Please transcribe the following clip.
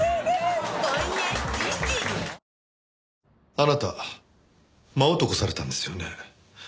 あなた間男されたんですよね。